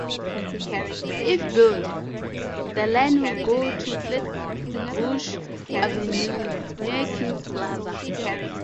If built, the line would go to Flatbush Avenue, near Kings Plaza.